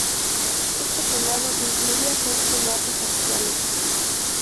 Este condado incluía seis condados actuales.